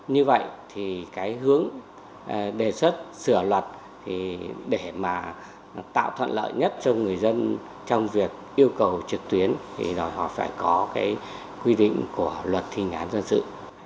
như vậy thì cái hướng đề xuất sửa luật để mà tạo thuận lợi nhất cho người dân trong việc yêu cầu trực tuyến thì đòi hỏi phải có cái quy định của luật thi hành án dân sự